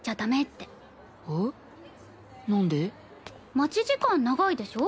待ち時間長いでしょ？